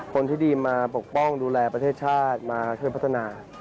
คนที่ดีมาปกป้องดูแลประเทศชาติมาช่วยพัฒนา